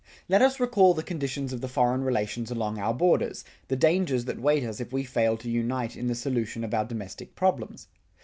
Let us recall the conditions of the foreign relations along our borders, the dangers that wait us if we fail to unite in the solution of our domestic problems.